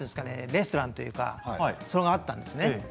レストランというかそれがあったんですね。